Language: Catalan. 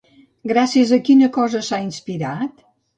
Gràcies a quina cosa s'ha inspirat?